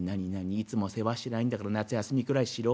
いつも世話してないんだから夏休みくらいしろ？